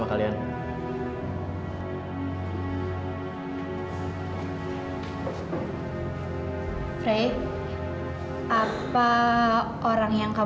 bukan bukan bukan